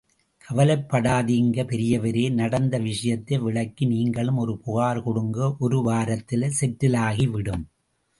கவலைப்படாதிங்க பெரியவரே... நடந்த விஷயத்தை விளக்கி... நீங்களும் ஒரு புகார் கொடுங்க... ஒரு வாரத்துல செட்டிலாகிவிடும்.